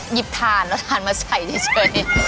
หยิบทานแล้วทานมาใส่เจ้าเชื้อนิ